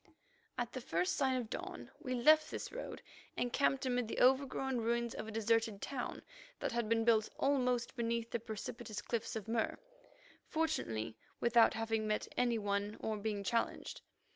At the first sign of dawn we left this road and camped amid the overgrown ruins of a deserted town that had been built almost beneath the precipitous cliffs of Mur, fortunately without having met any one or being challenged.